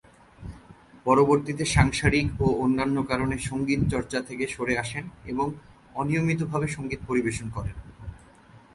পরবর্তীতে সাংসারিক ও অন্যান্য কারণে সংগীত চর্চা থেকে সরে আসেন ও অনিয়মিতভাবে সংগীত পরিবেশন করেন।